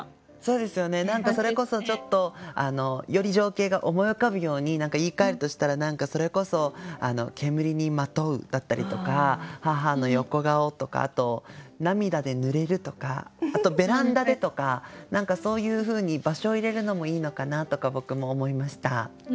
それこそちょっとより情景が思い浮かぶように言いかえるとしたらそれこそ「煙にまとう」だったりとか「母の横顔」とかあと「涙でぬれる」とかあと「ベランダで」とかそういうふうに場所入れるのもいいのかなとか僕も思いました。